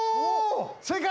正解。